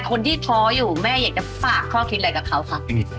คนที่ท้อยู่แม่อยากฟากความคิดอะไรกับเขาคะ